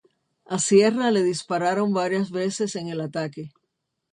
A Sierra le dispararon varias veces en el ataque.